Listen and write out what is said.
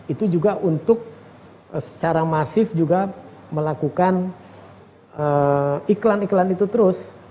itu juga untuk secara masif juga melakukan iklan iklan itu terus